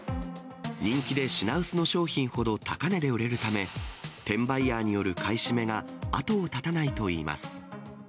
人気で品薄の商品ほど高値で売れるため、転売ヤーによる買い占めが後を絶たないといいます。